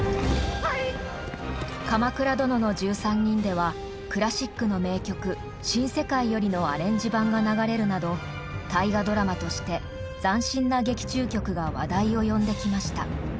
「鎌倉殿の１３人」ではクラシックの名曲「新世界より」のアレンジ版が流れるなど「大河ドラマ」として斬新な劇中曲が話題を呼んできました。